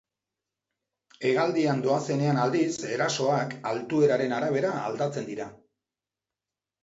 Hegaldian doazenean aldiz erasoak altueraren arabera aldatzen dira.